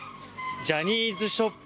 ジャニーズショップ